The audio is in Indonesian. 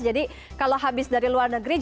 jadi kalau habis dari luar negeri